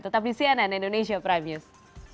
tetap di cnn indonesia prime news